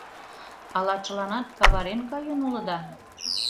Ала чыланат каварен каен улыда?